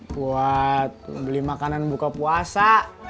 buat beli makanan buka puasa